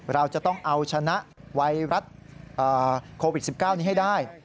เราจะต้องเอาชนะไวรัสโควิด๑๙นี้ให้ได้